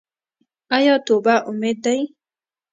آیا توبه امید دی؟